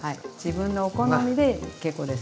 自分のお好みで結構です。